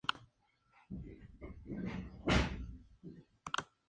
La ciudad celebra mercado las mañanas de los domingos para vender muchos productos locales.